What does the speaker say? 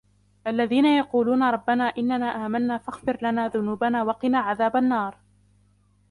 الَّذِينَ يَقُولُونَ رَبَّنَا إِنَّنَا آمَنَّا فَاغْفِرْ لَنَا ذُنُوبَنَا وَقِنَا عَذَابَ النَّارِ